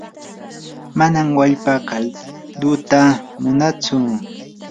manam wallpa kalduta munaatsu.